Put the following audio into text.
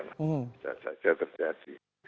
bisa saja terjadi